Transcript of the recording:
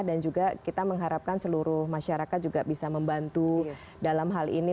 dan juga kita mengharapkan seluruh masyarakat juga bisa membantu dalam hal ini